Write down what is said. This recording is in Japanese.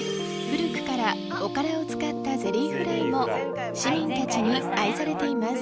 古くからおからを使ったゼリーフライも市民たちに愛されています。